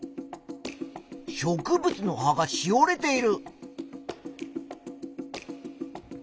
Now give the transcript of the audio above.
植物の葉がしおれている。